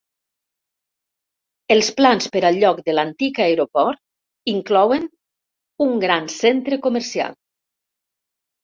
Els plans per al lloc de l'antic aeroport inclouen un gran centre comercial.